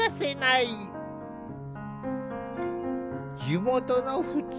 地元の普通